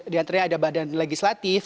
di antaranya ada badan legislatif